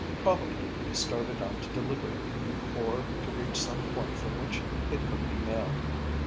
Probably he started out to deliver it, or to reach some point from which it could be mailed.